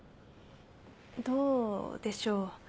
どうでしょう。